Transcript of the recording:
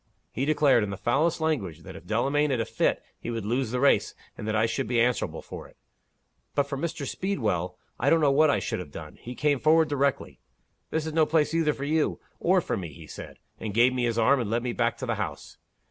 He declared, in the foulest language, that if Delamayn had a fit, he would lose the race, and that I should be answerable for it. But for Mr. Speedwell, I don't know what I should have done. He came forward directly. 'This is no place either for you, or for me,' he said and gave me his arm, and led me back to the house.